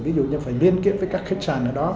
ví dụ như phải liên kết với các khách sạn ở đó